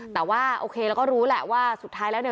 แต่ว่าโอเคเราก็รู้แหละว่าสุดท้ายแล้วเนี่ย